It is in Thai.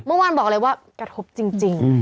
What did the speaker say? เมื่อวานบอกเลยว่ากระทบจริง